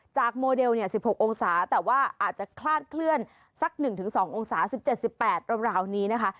จากโมเดลเนี้ยสิบหกองศาแต่ว่าอาจจะคลาดเคลื่อนสักหนึ่งถึงสององศาสิบเจ็ดสิบแปดรอบราวนี้นะคะ